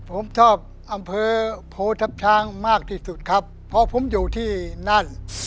ผมชอบอำเภอโพทัพช้างมากที่สุดครับเพราะผมอยู่ที่นั่น